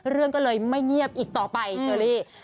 เรื่องก็เลยไม่เงียบอีกต่อไปเชอรี่